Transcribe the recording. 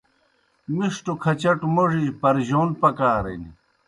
مِݜٹوْ کھچٹوْ موڙِجیْ پرجون پکارِن۔